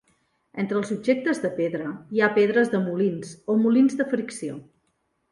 Entre els objectes de pedra hi ha pedres de molins o molins de fricció.